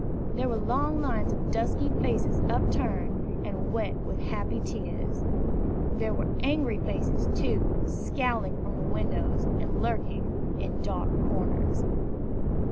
There were long lines of dusky faces upturned, and wet with happy tears. There were angry faces, too, scowling from windows, and lurking in dark corners.